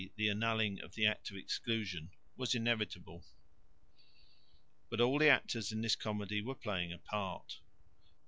_ the annulling of the Act of Exclusion, was inevitable. But all the actors in this comedy were playing a part.